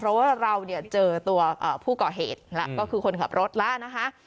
เพราะว่าเราเนี่ยเจอตัวผู้ก่อเหตุแล้วก็คือคนขับรถแล้วนะคะ